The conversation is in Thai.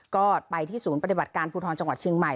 ก็ไปที่ศูนย์ปฏิบัติการภูทรจังหวัดเชียงใหม่